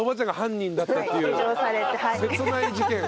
切ない事件。